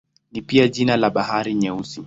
Ni pia jina la Bahari Nyeusi.